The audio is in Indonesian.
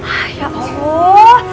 ah ya allah